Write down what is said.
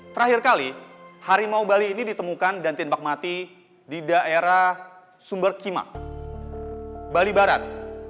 terakhir kali harimau bali ini ditemukan dan timbak mati di daerah sumberkima bali barat